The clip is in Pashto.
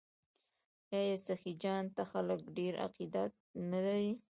آیا سخي جان ته خلک ډیر عقیدت نلري؟